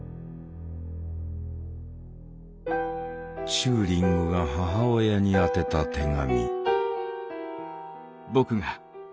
チューリングが母親に宛てた手紙。